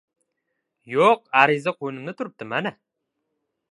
— Yo‘q, ariza qo‘ynimda turibdi, mana.